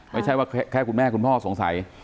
ไม่ใช่ว่าแค่คุณแม่คุณพ่อสงสัย